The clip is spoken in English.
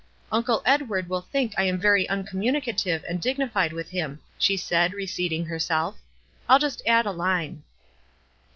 "Uncle Edward will think I am very uncommunicative and dignified with him," she said, reseating herself. "I'll just acid a line."